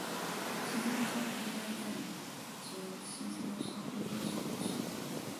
神经末梢可以分为感觉神经末梢和运动神经末梢。